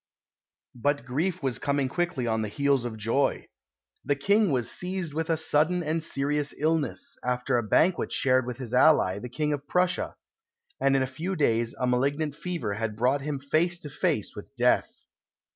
But grief was coming quickly on the heels of joy. The King was seized with a sudden and serious illness, after a banquet shared with his ally, the King of Prussia; and in a few days a malignant fever had brought him face to face with death.